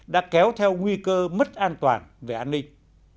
đã kéo theo nguy cơ mất an toàn về an ninh